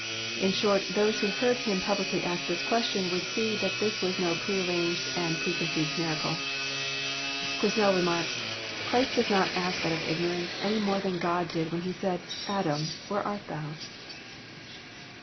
In short, those who heard Him pnb« licly ask this question would see that this was no prearranged and precontrived miracle. Quesnel remarks :'* Christ does n it ask ont of ignorance, any more than God did when he said, 'Adam, where art thou?